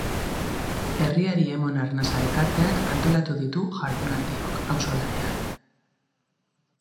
Herriari Emon Arnasa elkarteak antolatu ditu jardunaldiok auzolanean.